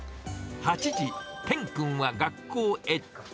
８時、天君は学校へ。